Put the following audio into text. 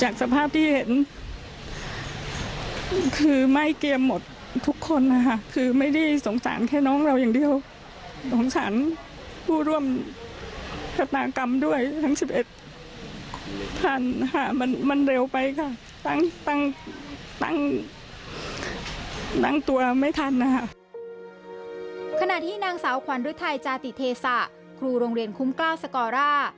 ขณะที่นางสาวขวัญฤทัยจาติเทศะครูโรงเรียนคุ้มกล้าวสกอร่า